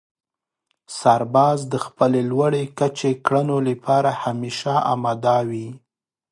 سرباز د خپلې لوړې کچې کړنو لپاره همېشه اماده وي.